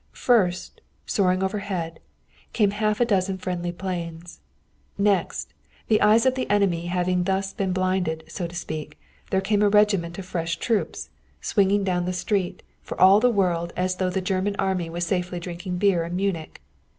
First, soaring overhead, came a half dozen friendly planes. Next, the eyes of the enemy having thus been blinded, so to speak, there came a regiment of fresh troops, swinging down the street for all the world as though the German Army was safely drinking beer in Munich.